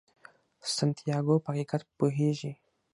سانتیاګو په حقیقت پوهیږي.